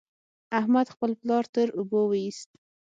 احمد خپل پلار تر اوبو وېست.